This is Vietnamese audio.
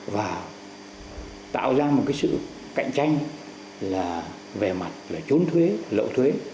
và tạo ra một sự cạnh tranh về mặt về chốn thuế lộ thuế